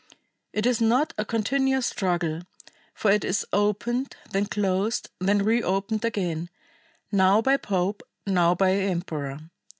It is not a continuous struggle, for it is opened, then closed, then reopened again; now by pope, now by emperor.